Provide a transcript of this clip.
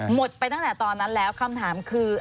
ไปตั้งแต่ตอนนั้นแล้วคำถามคือ